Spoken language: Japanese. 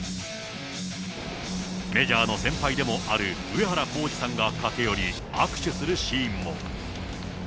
メジャーの先輩でもある上原浩治さんが駆け寄り、握手するシーンも。